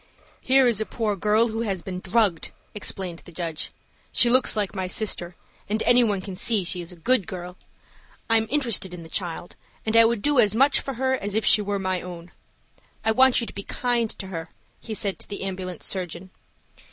"HERE is a poor girl who has been drugged," explained the judge. "She looks like my sister, and any one can see she is a good girl. I am interested in the child, and I would do as much for her as if she were my own. I want you to be kind to her," he said to the ambulance surgeon.